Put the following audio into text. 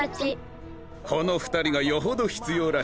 この２人がよほどひつようらしいな。